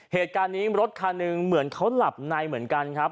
เหตุการณ์นี้รถคันหนึ่งเหมือนเขาหลับในเหมือนกันครับ